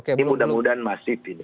ini mudah mudahan masih